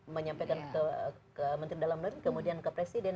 menyampaikan ke menteri dalam negeri kemudian ke presiden